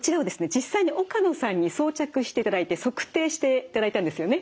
実際に岡野さんに装着していただいて測定していただいたんですよね。